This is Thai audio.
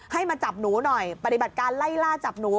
ให้มาจับหนูหน่อยปฏิบัติการไล่ล่าจับหนู